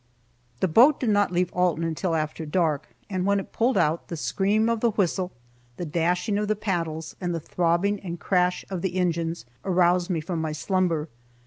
The boat did not leave Alton until after dark, and when it pulled out, the scream of the whistle, the dashing of the paddles, and the throbbing and crash of the engines, aroused me from my slumber.